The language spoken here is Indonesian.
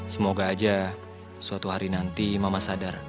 semoga aja suatu hari nanti mama sadar